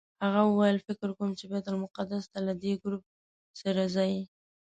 هغه وویل فکر کوم چې بیت المقدس ته له دې ګروپ سره ځئ.